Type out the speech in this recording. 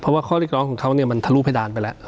เพราะว่าข้อเรียกร้องของเขาเนี่ยมันทะลุเพดานไปแล้ว